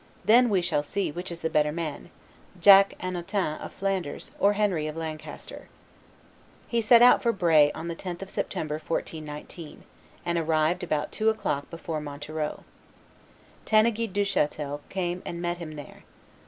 Then we shall see which is the better man, Jack (Hannotin) of Flanders or Henry of Lancaster." He set out for Bray on the 10th of September, 1419, and arrived about two o'clock before Montereau. Tanneguy Duchatel came and met him there.